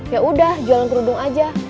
yaudah jualan kerudung aja